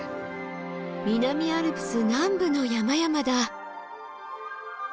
南アルプス南部の山々だ！